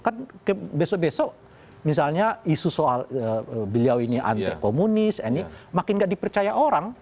kan besok besok misalnya isu soal beliau ini anti komunis makin nggak dipercaya orang